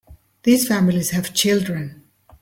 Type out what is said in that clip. These families have children.